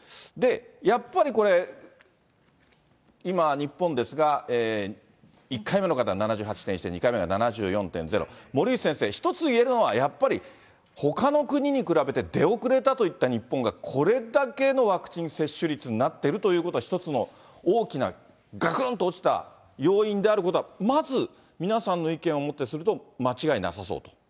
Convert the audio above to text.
やっぱりこれ、今、日本ですが、１回目の方７８．１、２回目が７４．０、森内先生、一ついえるのは、やっぱりほかの国に比べて、出遅れたといった日本がこれだけのワクチン接種率になっているということは、一つの大きな、がくんと落ちた要因であることは、まず皆さんの意見をもってすると、間違いなさそう？